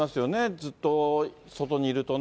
ずっと外にいるとね。